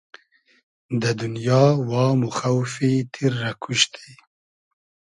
دۂ دونیا وام و خۆفی تیر رۂ کوشتی